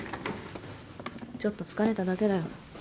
ちょっと疲れただけだよ。